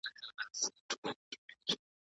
ښار پالنه بدلون راولي.